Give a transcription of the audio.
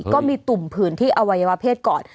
ก็มีตุ่มผืนที่อวัยวะเพศก่อน